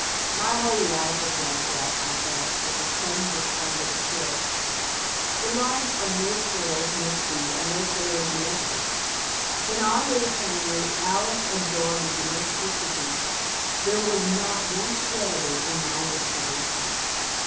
My whole life was like that, I thought, with a sudden despondent chill. The lives of most girls must be unless they are domestic. In our little family Alice absorbed the domesticity. There was not one shred of it in my disposition.